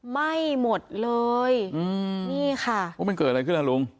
ไหม้หมดเลยอืมนี่ค่ะโอ้มันเกิดอะไรขึ้นล่ะลุง